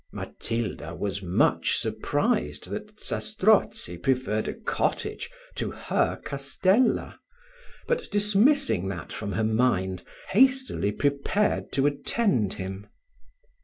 Matilda was much surprised that Zastrozzi preferred a cottage to her castella; but dismissing that from her mind, hastily prepared to attend him.